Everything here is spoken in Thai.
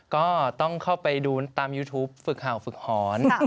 ก็ต้องเข้าไปดูตามยูทูปฝึกเห่าฝึกหอน